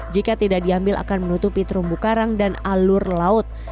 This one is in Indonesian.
jika tidak diambil akan menutupi terumbu karang dan alur laut